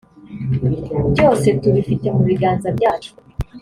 “Byose tubifite mu biganza byacu